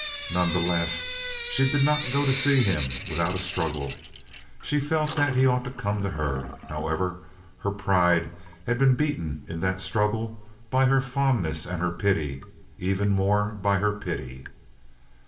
None the less, she did not go to see him without a struggle. She felt that he ought to come to her. However, her pride had been beaten in that struggle by her fondness and her pity even more by her pity.